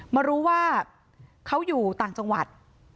มารู้ว่าเขาอยู่ต่างจังหวัด